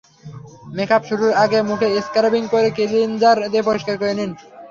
Makeup শুরুর আগে মুখে স্ক্রাবিং করে ক্লিনজার দিয়ে পরিষ্কার করে নিন।